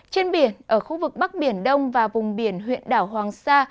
trên biển ở khu vực bắc biển đông và vùng biển huyện đảo hoàng sa